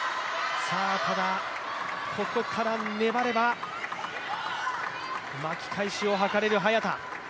ただここから粘れば、巻き返しを図れる早田。